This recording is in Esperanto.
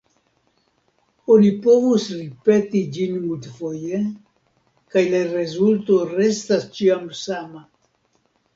Oni povus ripeti ĝin multfoje, kaj la rezulto restas ĉiam sama.